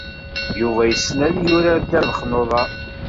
Yuba yessen ad yurar ddabex n uḍar.